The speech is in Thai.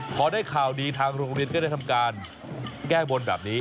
พอได้ข่าวดีทางโรงเรียนก็ได้ทำการแก้บนแบบนี้